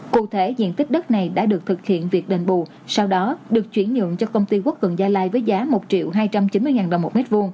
cụ thể diện tích đất này đã được thực hiện việc đền bù sau đó được chuyển nhượng cho công ty quốc cường gia lai với giá một triệu hai trăm chín mươi đồng một m hai